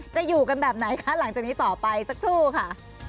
จะอยู่กันแบบไหนคะหลังจากนี้ต่อไปสักครู่ค่ะ